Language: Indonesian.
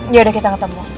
yaudah kita ketemu